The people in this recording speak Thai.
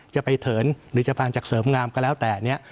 จะไปเถินหรือจะผ่านจากเสริมงามก็แล้วแต่เนี่ย